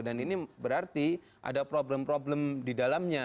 dan ini berarti ada problem problem di dalamnya